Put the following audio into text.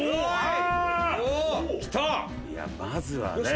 いやまずはね。